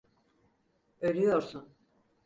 Ölüyorsun.